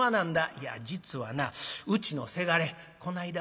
いや実はなうちのせがれこないだ